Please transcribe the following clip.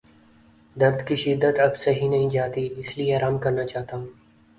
درد کی شدت اب سہی نہیں جاتی اس لیے آرام کرنا چاہتا ہوں